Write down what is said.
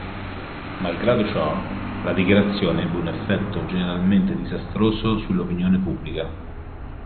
Malgrado ciò, la Dichiarazione ebbe un effetto generalmente disastroso sull’opinione pubblica.